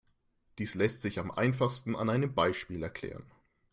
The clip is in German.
Dies lässt sich am einfachsten an einem Beispiel erklären.